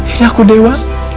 ini aku dewa